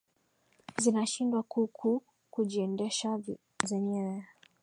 zinashindwa ku ku kujiendesha zenyewe